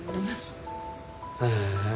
へえ。